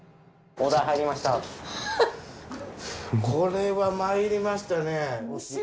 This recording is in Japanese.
これはまいりましたねえ。